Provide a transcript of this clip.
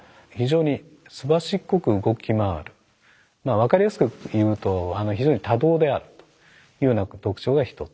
分かりやすく言うと非常に多動であるというような特徴が一つ。